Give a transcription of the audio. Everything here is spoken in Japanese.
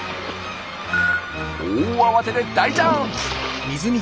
大慌てで大ジャンプ！